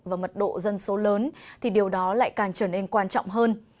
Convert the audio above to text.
và mật độ dân số lớn thì điều đó lại càng trở nên quan trọng hơn